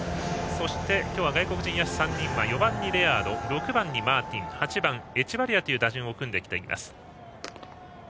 そして今日は外国人野手３人は４番にレアード６番にマーティン８番、エチェバリアという打順を組んできています。